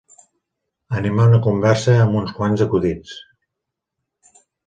Animar una conversa amb uns quants acudits.